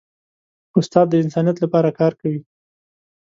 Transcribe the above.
استاد د انسانیت لپاره کار کوي.